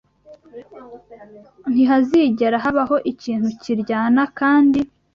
Ntihazigera habaho ikintu kiryana kandi